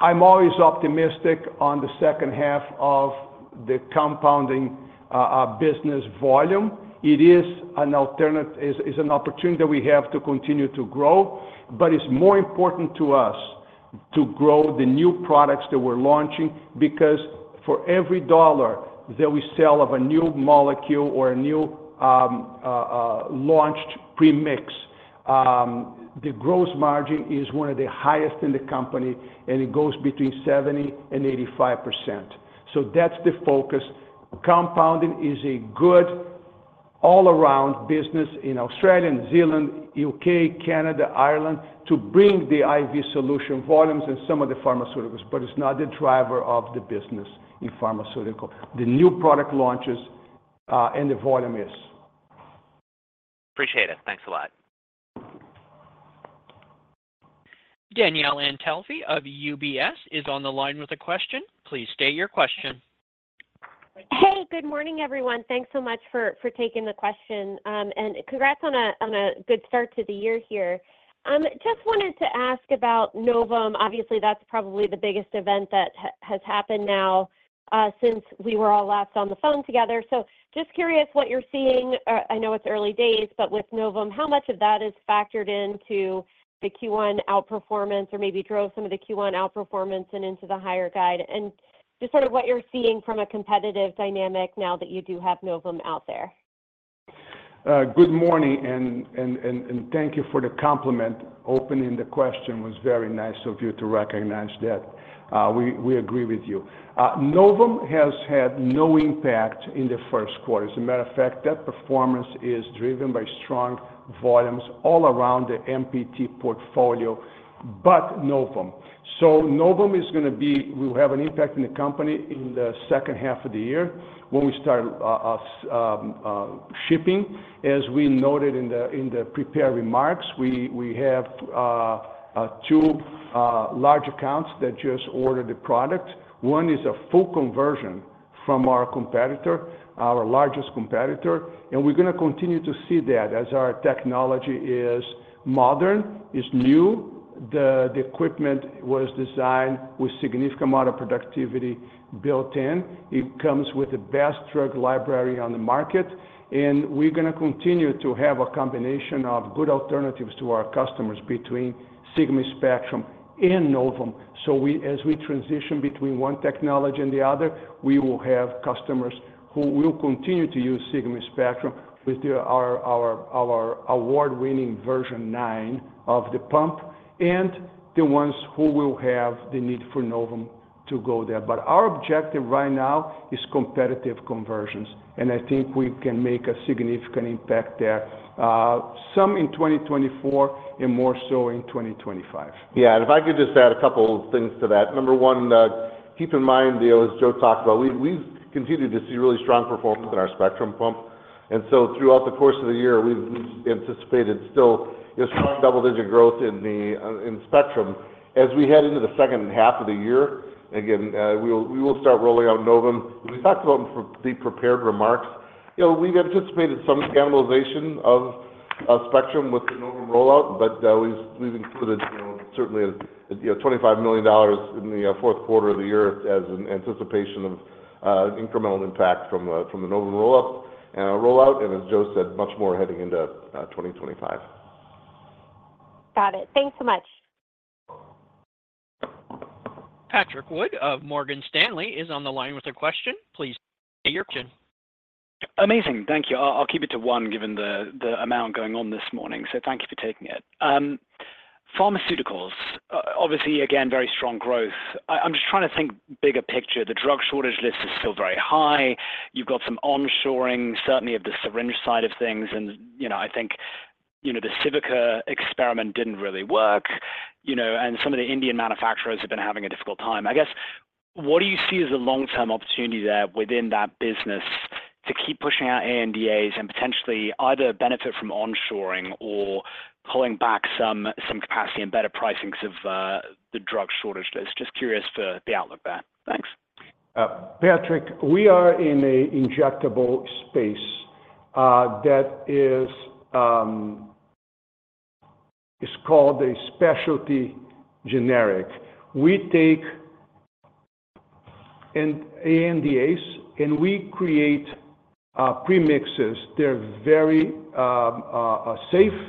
S3: I'm always optimistic on the second half of the compounding business volume. It is an opportunity that we have to continue to grow, but it's more important to us to grow the new products that we're launching, because for every $1 that we sell of a new molecule or a new launched premix, the gross margin is one of the highest in the company, and it goes between 70%-85%. So that's the focus. Compounding is a good all-around business in Australia, New Zealand, U.K., Canada, Ireland, to bring the IV solution volumes and some of the Pharmaceuticals, but it's not the driver of the business in Pharmaceutical. The new product launches and the volume is.
S8: Appreciate it. Thanks a lot.
S1: Danielle Antalffy of UBS is on the line with a question. Please state your question.
S9: Hey, good morning, everyone. Thanks so much for taking the question. And congrats on a good start to the year here. Just wanted to ask about Novum. Obviously, that's probably the biggest event that has happened now since we were all last on the phone together. So just curious what you're seeing. I know it's early days, but with Novum, how much of that is factored into the Q1 outperformance or maybe drove some of the Q1 outperformance and into the higher guide? And just sort of what you're seeing from a competitive dynamic now that you do have Novum out there.
S3: Good morning, and thank you for the compliment. Opening the question was very nice of you to recognize that. We agree with you. Novum has had no impact in the first quarter. As a matter of fact, that performance is driven by strong volumes all around the MPT portfolio, but Novum. So Novum is gonna be- will have an impact in the company in the second half of the year when we start shipping. As we noted in the prepared remarks, we have two large accounts that just ordered the product. One is a full conversion from our competitor, our largest competitor, and we're gonna continue to see that as our technology is modern, is new- the equipment was designed with significant amount of productivity built in. It comes with the best drug library on the market, and we're gonna continue to have a combination of good alternatives to our customers between Sigma Spectrum and Novum. So we, as we transition between one technology and the other, we will have customers who will continue to use Sigma Spectrum with their award-winning version 9 of the pump, and the ones who will have the need for Novum to go there. But our objective right now is competitive conversions, and I think we can make a significant impact there, some in 2024 and more so in 2025.
S4: Yeah, and if I could just add a couple of things to that. Number one, keep in mind, Danielle, as Joe talked about, we've continued to see really strong performance in our Spectrum pump. And so throughout the course of the year, we've anticipated still, you know, strong double-digit growth in the in Spectrum. As we head into the second half of the year, again, we will start rolling out Novum. We talked about in the prepared remarks, you know, we've anticipated some cannibalization of Spectrum with the Novum rollout, but we've included, you know, certainly, as you know, $25 million in the fourth quarter of the year as an anticipation of incremental impact from the Novum rollout, and as Joe said, much more heading into 2025.
S9: Got it. Thanks so much.
S1: Patrick Wood of Morgan Stanley is on the line with a question. Please state your question.
S10: Amazing. Thank you. I'll keep it to one, given the amount going on this morning, so thank you for taking it. Pharmaceuticals, obviously, again, very strong growth. I'm just trying to think bigger picture. The drug shortage list is still very high. You've got some onshoring, certainly of the syringe side of things. You know, I think, you know, the Civica experiment didn't really work, you know, and some of the Indian manufacturers have been having a difficult time. I guess, what do you see as a long-term opportunity there within that business to keep pushing out ANDAs and potentially either benefit from onshoring or pulling back some capacity and better pricing because of the drug shortage? Just curious for the outlook there. Thanks.
S3: Patrick, we are in an injectable space that is called a specialty generic. We take and ANDAs, and we create premixes. They're very safe,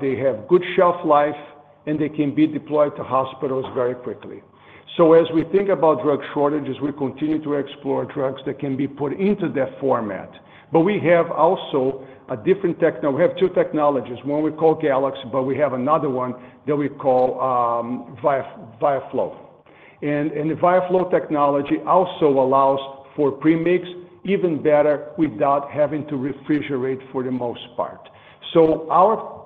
S3: they have good shelf life, and they can be deployed to hospitals very quickly. So as we think about drug shortages, we continue to explore drugs that can be put into that format. But we have also a different—we have two technologies. One we call Galaxy, but we have another one that we call VIAFLO. The VIAFLO technology also allows for premix even better without having to refrigerate for the most part. So our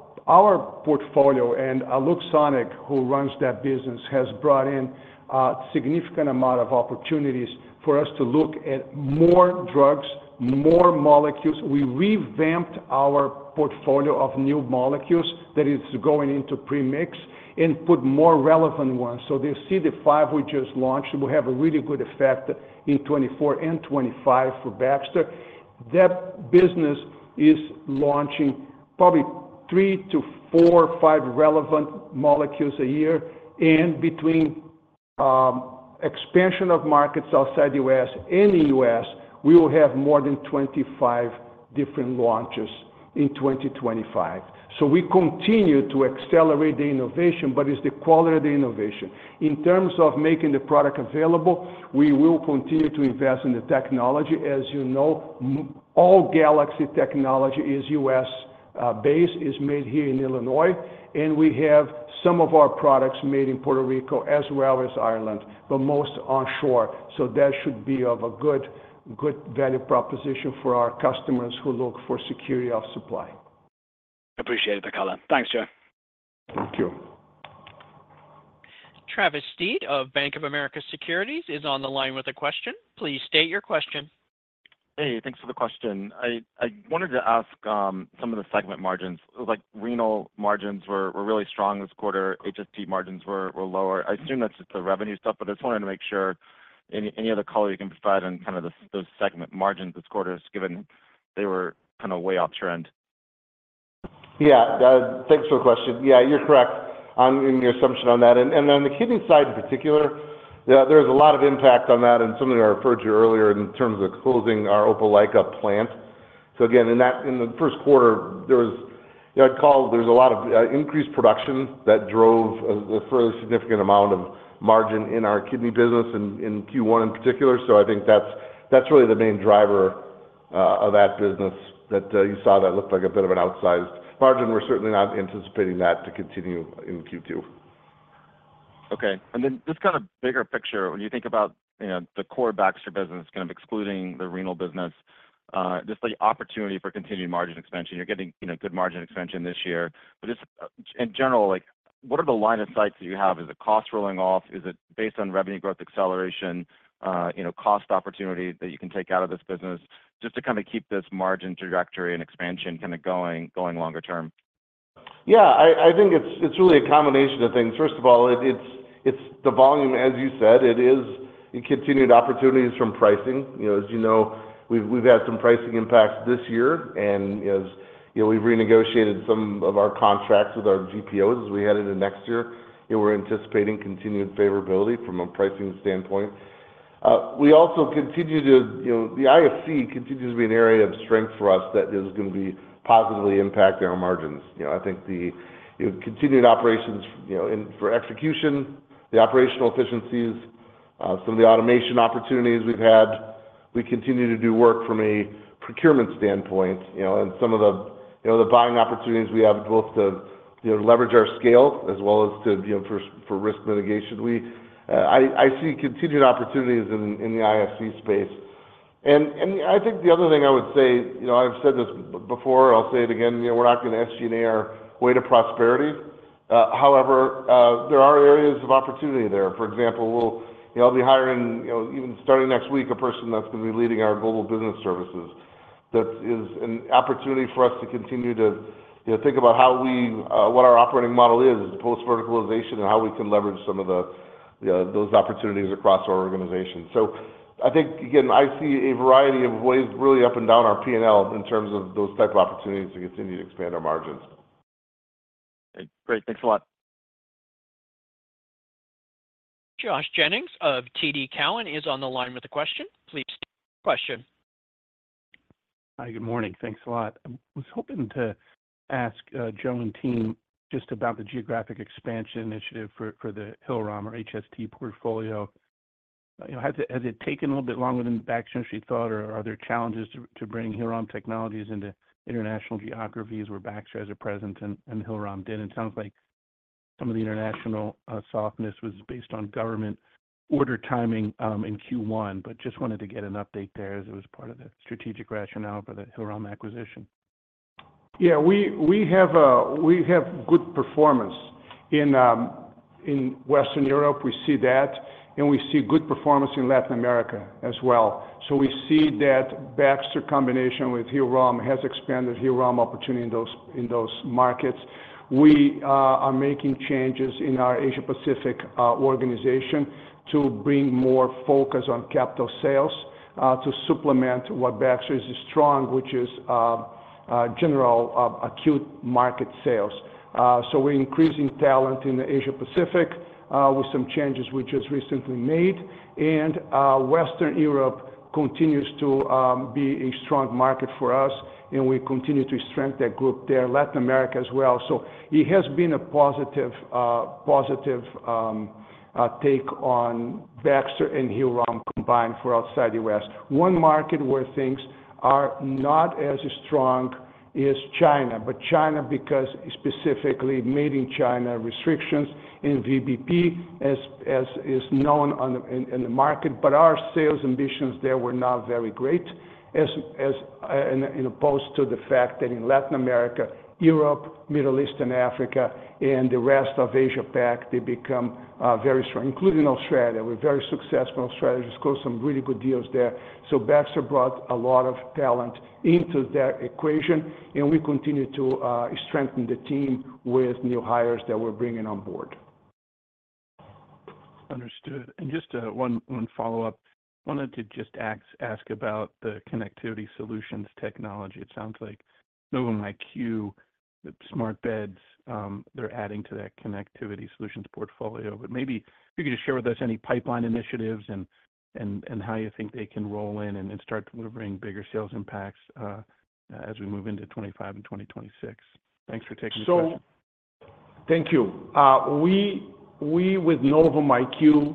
S3: portfolio, and Alok Sonig, who runs that business, has brought in a significant amount of opportunities for us to look at more drugs, more molecules. We revamped our portfolio of new molecules that is going into premix and put more relevant ones. So the CD5 we just launched will have a really good effect in 2024 and 2025 for Baxter. That business is launching probably 3-5 relevant molecules a year. And between expansion of markets outside the U.S. and the U.S., we will have more than 25 different launches in 2025. So we continue to accelerate the innovation, but it's the quality of the innovation. In terms of making the product available, we will continue to invest in the technology. As you know, all Galaxy technology is U.S. based, is made here in Illinois, and we have some of our products made in Puerto Rico as well as Ireland, but most onshore. That should be of a good, good value proposition for our customers who look for security of supply.
S10: Appreciate the color. Thanks, Joe.
S3: Thank you.
S1: Travis Steed of Bank of America Securities is on the line with a question. Please state your question.
S11: Hey, thanks for the question. I wanted to ask some of the segment margins. Like, renal margins were really strong this quarter. HST margins were lower. I assume that's just the revenue stuff, but I just wanted to make sure any other color you can provide on kind of those segment margins this quarter, just given they were kind of way off trend.
S4: Yeah. Thanks for the question. Yeah, you're correct on your assumption on that. And on the kidney side in particular, there is a lot of impact on that. And some of that I referred to you earlier in terms of closing our Opelika plant. So again, in that, in the first quarter, there’s a lot of increased production that drove a fairly significant amount of margin in our kidney business in Q1 in particular. So I think that’s really the main driver of that business that you saw that looked like a bit of an outsized margin. We’re certainly not anticipating that to continue in Q2.
S11: Okay. And then just kind of bigger picture, when you think about, you know, the core Baxter business, kind of excluding the renal business, just like opportunity for continued margin expansion. You're getting, you know, good margin expansion this year. But just, in general, like, what are the lines of sight that you have? Is it cost rolling off? Is it based on revenue growth, acceleration, you know, cost opportunity that you can take out of this business just to kind of keep this margin trajectory and expansion kind of going longer term?
S3: Yeah, I think it's really a combination of things. First of all, it's the volume, as you said. The continued opportunities from pricing. You know, as you know, we've had some pricing impacts this year, and as you know, we've renegotiated some of our contracts with our GPOs as we head into next year. And we're anticipating continued favorability from a pricing standpoint. We also continue to, you know, the IFC continues to be an area of strength for us that is gonna be positively impacting our margins. You know, I think the, you know, continued operations, you know, and for execution, the operational efficiencies, some of the automation opportunities we've had, we continue to do work from a procurement standpoint, you know. And some of the, you know, the buying opportunities we have both to, you know, leverage our scale as well as to, you know, for risk mitigation. We, I see continued opportunities in the IFC space.
S4: I think the other thing I would say, you know, I've said this before, I'll say it again: you know, we're not going to SG&A our way to prosperity. However, there are areas of opportunity there. For example, we'll, you know, I'll be hiring, you know, even starting next week, a person that's gonna be leading our global business services. That is an opportunity for us to continue to, you know, think about how we what our operating model is, post-verticalization, and how we can leverage some of the those opportunities across our organization. So I think, again, I see a variety of ways, really up and down our P&L, in terms of those type of opportunities to continue to expand our margins.
S5: Great. Thanks a lot.
S1: Josh Jennings of TD Cowen is on the line with a question. Please state your question.
S12: Hi, good morning. Thanks a lot. I was hoping to ask, Joe and team, just about the geographic expansion initiative for the Hillrom or HST portfolio. You know, has it taken a little bit longer than Baxter actually thought, or are there challenges to bring Hillrom technologies into international geographies where Baxter's are present and Hillrom didn't? It sounds like some of the international softness was based on government order timing in Q1. But just wanted to get an update there, as it was part of the strategic rationale for the Hillrom acquisition.
S3: Yeah, we, we have good performance. In, in Western Europe, we see that, and we see good performance in Latin America as well. So we see that Baxter combination with Hillrom has expanded Hillrom opportunity in those, in those markets. We are making changes in our Asia Pacific organization to bring more focus on capital sales to supplement what Baxter is strong, which is general acute market sales. So we're increasing talent in the Asia Pacific with some changes we just recently made. And Western Europe continues to be a strong market for us, and we continue to strengthen that group there. Latin America as well. So it has been a positive positive take on Baxter and Hillrom combined for outside U.S. One market where things are not as strong is China. But in China, because specifically made in China restrictions in VBP, as is known in the market. But our sales ambitions there were not very great, as opposed to the fact that in Latin America, Europe, Middle East and Africa, and the rest of Asia Pac, they become very strong, including Australia. We're very successful in Australia, just closed some really good deals there. So Baxter brought a lot of talent into that equation, and we continue to strengthen the team with new hires that we're bringing on board.
S12: Understood. And just one follow-up. Wanted to just ask about the connectivity solutions technology. It sounds like Novum IQ, the smart beds, they're adding to that connectivity solutions portfolio. But maybe you could just share with us any pipeline initiatives and how you think they can roll in and start delivering bigger sales impacts, as we move into 2025 and 2026. Thanks for taking this question.
S3: Thank you. We with Novum IQ,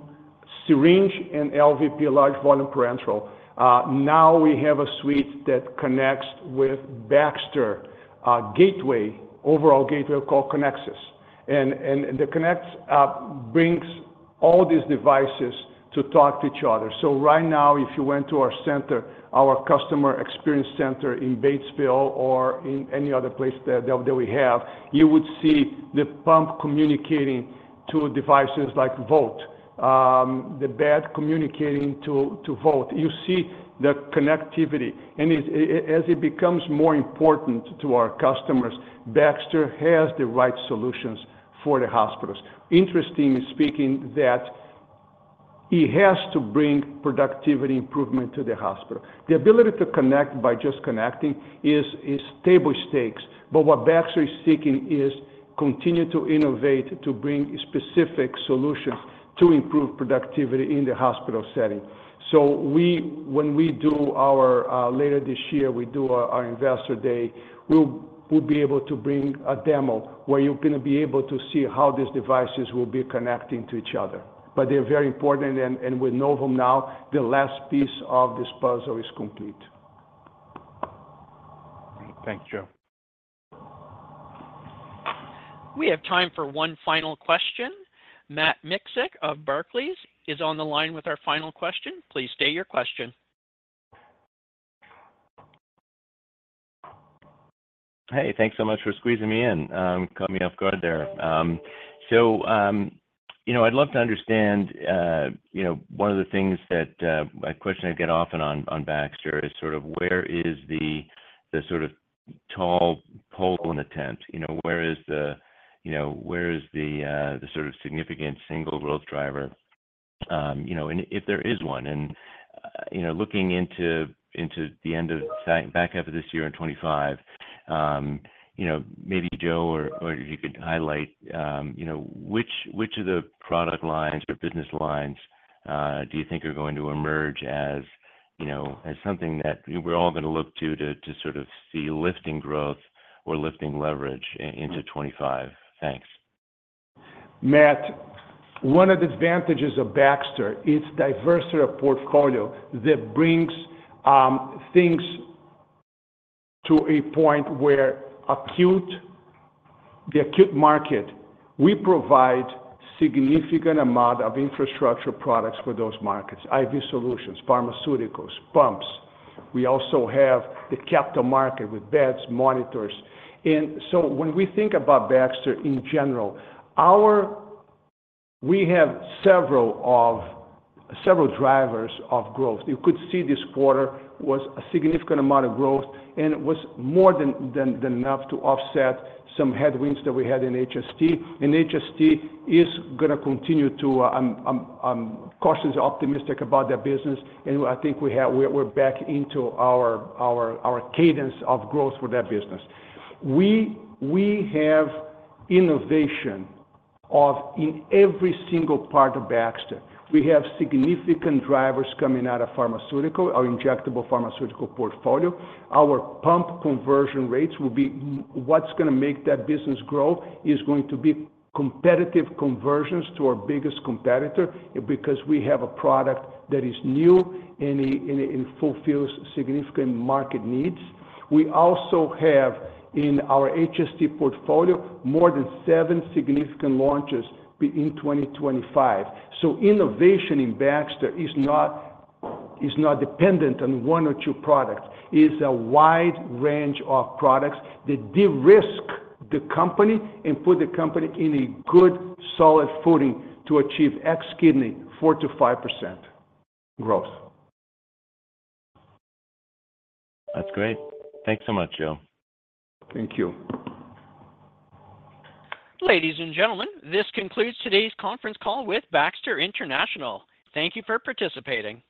S3: syringe and LVP, large volume parenteral, now we have a suite that connects with Baxter gateway, overall gateway called Connexis. And the Connexis brings all these devices to talk to each other. Right now, if you went to our center, our customer experience center in Batesville or in any other place that we have, you would see the pump communicating to devices like Voalte, the bed communicating to Voalte. You see the connectivity, and as it becomes more important to our customers, Baxter has the right solutions for the hospitals. Interestingly speaking, that it has to bring productivity improvement to the hospital. The ability to connect by just connecting is table stakes, but what Baxter is seeking is continue to innovate, to bring specific solutions to improve productivity in the hospital setting. So when we do our later this year, we do our Investor Day, we'll be able to bring a demo where you're gonna be able to see how these devices will be connecting to each other. But they're very important, and with Novum now, the last piece of this puzzle is complete.
S12: Thank you, Joe.
S1: We have time for one final question. Matt Miksic of Barclays is on the line with our final question. Please state your question.
S13: Hey, thanks so much for squeezing me in. Caught me off guard there. So, you know, I'd love to understand, you know, one of the things that, a question I get often on, on Baxter is sort of where is the, the sort of tall pole in a tent, you know, where is the, you know, where is the, the sort of significant single growth driver, you know, and if there is one. And, you know, looking into, into the end of back half of this year and 25, you know, maybe Joe, or, or you could highlight, you know, which, which of the product lines or business lines, do you think are going to emerge as, you know, as something that we're all going to look to, to, to sort of see lifting growth or lifting leverage into 25? Thanks.
S3: Matt, one of the advantages of Baxter is diversity of portfolio that brings things to a point where acute, the acute market, we provide significant amount of infrastructure products for those markets, IV solutions, pharmaceuticals, pumps. We also have the capital market with beds, monitors. And so when we think about Baxter in general, we have several drivers of growth. You could see this quarter was a significant amount of growth, and it was more than enough to offset some headwinds that we had in HST. And HST is going to continue to cautiously optimistic about their business, and I think we're back into our cadence of growth for that business. We have innovation in every single part of Baxter. We have significant drivers coming out of pharmaceutical, our injectable pharmaceutical portfolio. Our pump conversion rates will be what's going to make that business grow is going to be competitive conversions to our biggest competitor, because we have a product that is new and it, and it fulfills significant market needs. We also have in our HST portfolio more than 7 significant launches in 2025. So innovation in Baxter is not, is not dependent on one or two products. It's a wide range of products that de-risk the company and put the company in a good, solid footing to achieve ex-Kidney 4%-5% growth.
S13: That's great. Thanks so much, Joe.
S3: Thank you.
S1: Ladies and gentlemen, this concludes today's conference call with Baxter International. Thank you for participating.